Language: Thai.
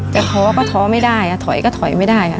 ท้อก็ท้อไม่ได้ถอยก็ถอยไม่ได้ค่ะ